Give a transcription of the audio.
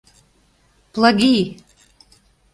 «Плаги!